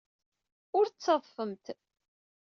Ur ttadfemt.